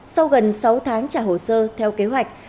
sau gần sáu tháng trả hồ sơ theo kế hoạch